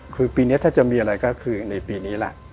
คือปีนี้ถ้าจะมีอะไรก็คือในปีนี้แหละ